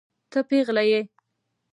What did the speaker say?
ته پيغله يې.